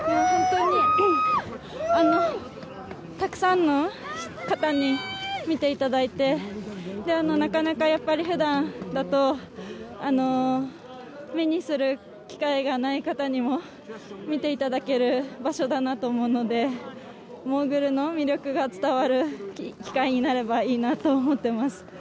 本当にたくさんの方に見ていただいてなかなかやっぱり普段だと目にする機会がない方にも見ていただける場所だなと思うのでモーグルの魅力が伝わる機会になればいいなと思っています。